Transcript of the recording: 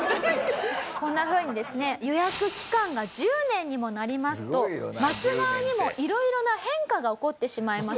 こんなふうにですね予約期間が１０年にもなりますと待つ側にも色々な変化が起こってしまいますよね。